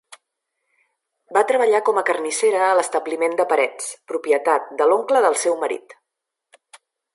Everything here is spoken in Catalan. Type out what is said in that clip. Va treballar com a carnissera a l'establiment de Parets, propietat de l'oncle del seu marit.